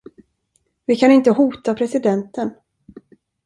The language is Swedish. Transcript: Vi kan inte hota presidenten.